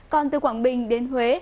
còn từ quảng bình đến huế